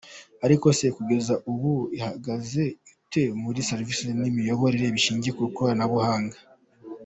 Ariko se kugeza ubu ihagaze ite muri serivisi n’imiyoborere bishingiye ku ikoranabuhanga.